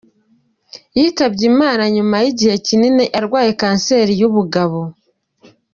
Yitabye Imana nyuma y’igihe kinini arwaye kanseri y’ubugabo.